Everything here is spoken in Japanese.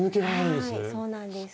はいそうなんです。